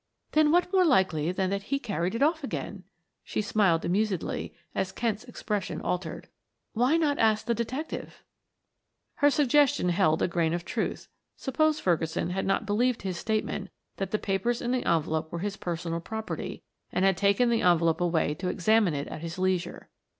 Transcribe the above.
"Then what more likely than that he carried it off again?" She smiled amusedly as Kent's expression altered. "Why not ask the detective?" Her suggestion held a grain of truth. Suppose Ferguson had not believed his statement that the papers in the envelope were his personal property and had taken the envelope away to examine it at his leisure?